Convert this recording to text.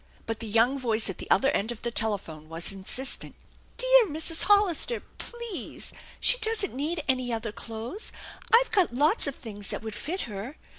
But the young voice at the other end of the telephone was insistent. " Dear Mrs. Hollister, please ! She doesn't need any other clothes. I've got lots of things that would fit her.